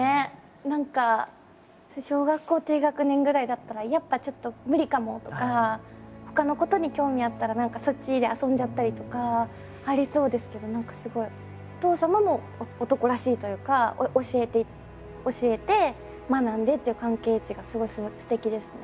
何か小学校低学年ぐらいだったら「やっぱちょっと無理かも」とかほかのことに興味あったら何かそっちで遊んじゃったりとかありそうですけど何かすごいお父様も男らしいというか教えて学んでっていう関係値がすごいすてきですね。